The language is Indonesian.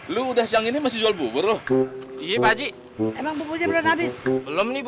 lu udah siang ini masih jual bubur loh iya pak haji emang buburnya belum habis belum nih bu